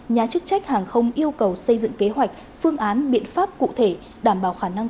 nhà chức trách hàng không yêu cầu xây dựng kế hoạch phương án biện pháp cụ thể đảm bảo khả năng